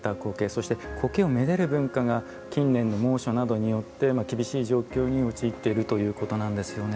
そして苔をめでる文化が近年の猛暑などによって厳しい状況に陥っているということなんですよね